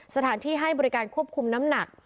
สถานที่ให้บริการควบคุมน้ำหนัก